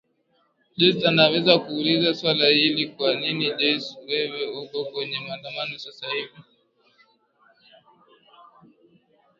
joyce naweza kukuuliza swali hili kwa nini jocye wewe uko kwenye maandamano sasa hivi